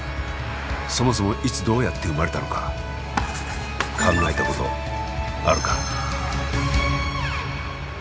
そもそもいつどうやって生まれたのか考えたことあるか？